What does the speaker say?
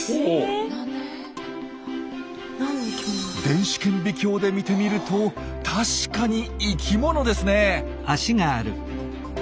電子顕微鏡で見てみると確かに生きものですね！